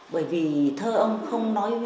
bởi vì thơ ông không nói